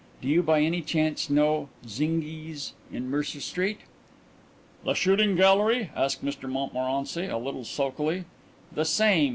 Do you by any chance know Zinghi's in Mercer Street?" "The shooting gallery?" asked Mr Montmorency a little sulkily. "The same.